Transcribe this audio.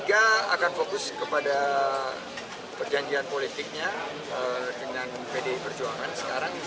p tiga akan fokus kepada perjanjian politiknya dengan pdi perjuangan sekarang